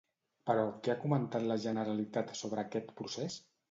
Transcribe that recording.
Però, què ha comentat la Generalitat sobre aquest procés?